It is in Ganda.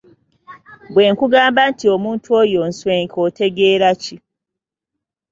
Bwe nkugamba nti omuntu oyo nswenke otegeera ki?